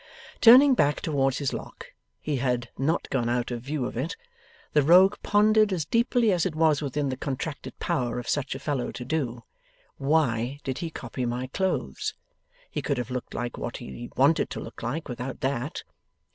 Turning back towards his Lock (he had not gone out of view of it), the Rogue pondered as deeply as it was within the contracted power of such a fellow to do. 'Why did he copy my clothes? He could have looked like what he wanted to look like, without that.